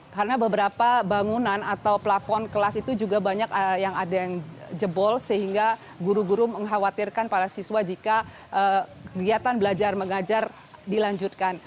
karena beberapa bangunan atau pelafon kelas itu juga banyak yang ada yang jebol sehingga guru guru mengkhawatirkan para siswa jika kegiatan belajar mengajar dilanjutkan